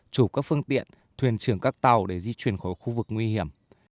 chủ các phương tiện thuyền trưởng các tàu để di chuyển khỏi khu vực nguy hiểm